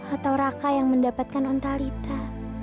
atau raka yang mendapatkan ontalita